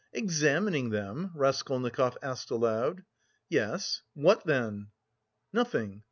"Examining them?" Raskolnikov asked aloud. "Yes. What then?" "Nothing."